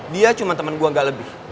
dia cuma teman gue gak lebih